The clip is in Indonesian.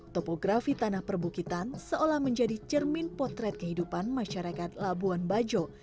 topografi tanah perbukitan seolah menjadi cermin potret kehidupan masyarakat labuan bajo